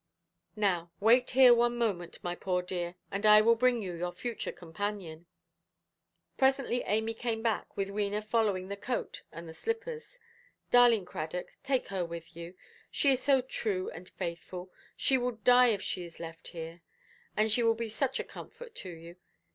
"Now, wait here one moment, my poor dear, and I will bring you your future companion". Presently Amy came back, with Wena following the coat and the slippers. "Darling Cradock, take her with you. She is so true and faithful. She will die if she is left here. And she will be such a comfort to you.